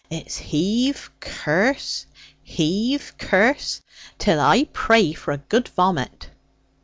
It's heave, curse, heave, curse, till I pray for a good vomit!'